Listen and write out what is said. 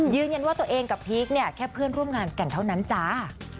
ยืนยันว่าตัวเองกับพีคเนี่ยแค่เพื่อนร่วมงานกันเท่านั้นจ้า